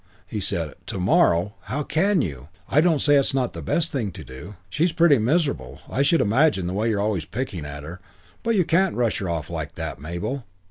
He said, "To morrow? How can you? I don't say it's not the best thing to do. She's pretty miserable, I should imagine, the way you're always picking at her, but you can't rush her off like that, Mabel."